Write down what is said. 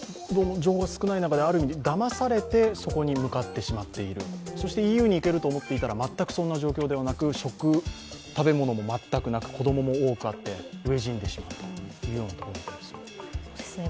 情報が少ない中でだまされてそこに向かってしまっている、そしてＥＵに行けると思っていたら、全くそんな状況ではなく食べ物も全くなく子供もいて飢え死んでしまうということですか。